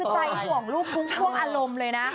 คือใจห่วงลูกพุ้งพ่วงอารมณ์เลยนะ